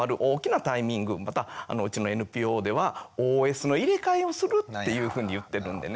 またうちのＮＰＯではＯＳの入れ替えをするっていうふうに言ってるんでね。